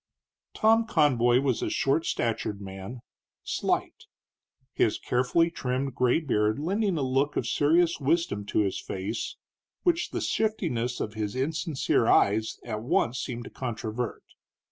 Tom Conboy was a short statured man, slight; his carefully trimmed gray beard lending a look of serious wisdom to his face which the shiftiness of his insincere eyes at once seemed to controvert.